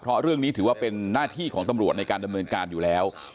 เพราะเรื่องนี้ถือว่าเป็นหน้าที่ของตำรวจในการดำเนินการอยู่แล้ว